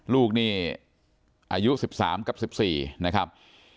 ลูกนี่อายุสิบสามกับสิบสี่นะครับ